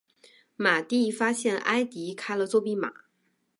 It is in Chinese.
马蒂发现埃迪开了作弊码。